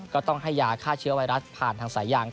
ก็ต้องให้ยาฆ่าเชื้อไวรัสผ่านทางสายยาง